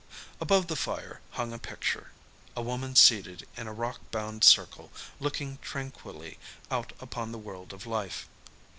Above the fire hung a picture a woman seated in a rock bound circle, looking tranquilly out upon the world of life.